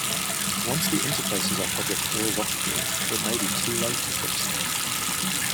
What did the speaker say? Once the interfaces are published irrevocably, it may be too late to fix them.